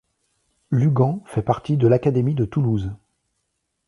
Lugan fait partie de l'académie de Toulouse.